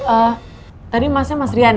eh tadi masnya mas rian ya